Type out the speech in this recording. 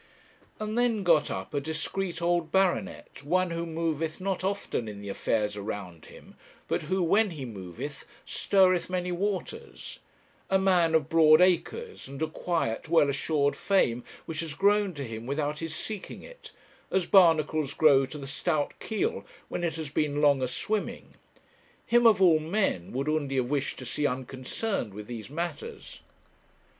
And then got up a discreet old baronet, one who moveth not often in the affairs around him, but who, when he moveth, stirreth many waters; a man of broad acres, and a quiet, well assured fame which has grown to him without his seeking it, as barnacles grow to the stout keel when it has been long a swimming; him, of all men, would Undy have wished to see unconcerned with these matters.